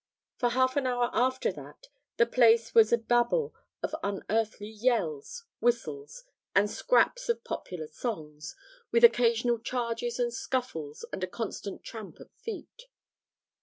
For half an hour after that the place was a Babel of unearthly yells, whistles, and scraps of popular songs, with occasional charges and scuffles and a constant tramp of feet.